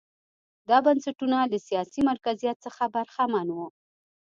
دا بنسټونه له سیاسي مرکزیت څخه برخمن وو.